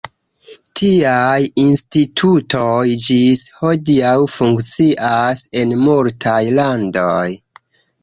Tiaj institutoj ĝis hodiaŭ funkcias en multaj landoj.